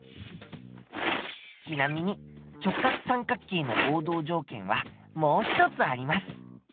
ちなみに直角三角形の合同条件はもう一つあります。